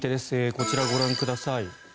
こちら、ご覧ください。